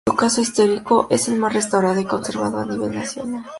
Su casco histórico "es el más restaurado y conservado a nivel nacional.